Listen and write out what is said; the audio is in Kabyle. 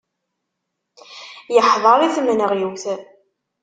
Yeḥḍer i tmenɣiwt.